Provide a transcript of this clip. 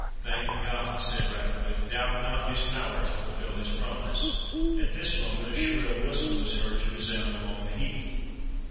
"Thank God!" said Ratcliffe; "doubt not his power to fulfil his promise." At this moment a shrill whistle was heard to resound along the heath.